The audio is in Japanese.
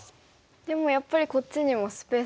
でもやっぱりこっちにもスペースがあるので。